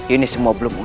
ini semua belum usai